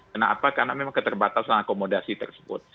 kenapa karena memang keterbatasan akomodasi tersebut